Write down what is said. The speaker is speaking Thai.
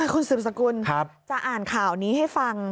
คุณสืบสกุลจะอ่านข่าวนี้ให้ฟัง